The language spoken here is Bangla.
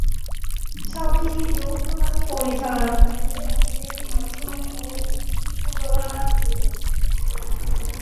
ছবিটি যৌথভাবে পরিচালনা করেছেন অভিনেত্রী মৌসুমী ও মুশফিকুর রহমান গুলজার।